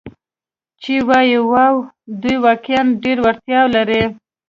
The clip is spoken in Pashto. چې ووایي: 'واو، دوی واقعاً ډېرې وړتیاوې لري.